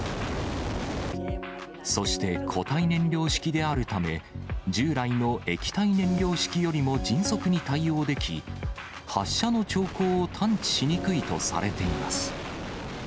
そして固体燃料式であるため、従来の液体燃料式よりも迅速に対応でき、発射の兆候を探知しにくいとされています。